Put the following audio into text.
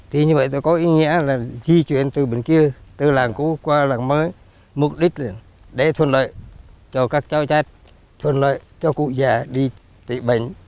thì như vậy tôi có ý nghĩa là di chuyển từ bên kia từ làng cũ qua làng mới mục đích để thuận lợi cho các cháu chát thuận lợi cho cụ già đi trị bệnh